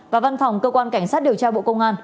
và văn phòng cơ quan cảnh sát điều tra bộ công an